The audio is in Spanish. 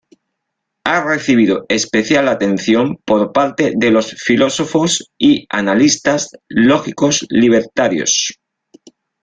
Ha recibido especial atención por parte de los filósofos y analistas lógicos libertarios.